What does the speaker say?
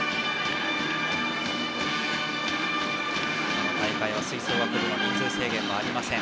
この大会は吹奏楽部は人数制限はありません。